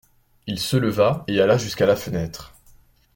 Il se leva et alla jusqu’à la fenêtre.